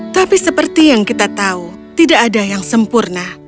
tapi seperti yang kita tahu tidak ada yang sempurna